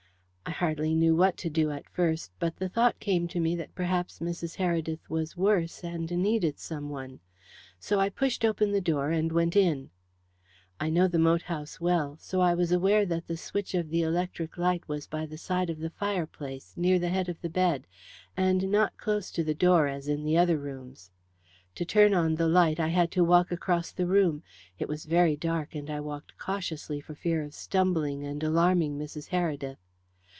I hardly knew what to do at first, but the thought came to me that perhaps Mrs. Heredith was worse, and needed someone. So I pushed open the door and went in. "I know the moat house well, so I was aware that the switch of the electric light was by the side of the fireplace, near the head of the bed, and not close to the door, as in the other rooms. To turn on the light I had to walk across the room. It was very dark, and I walked cautiously for fear of stumbling and alarming Mrs. Heredith.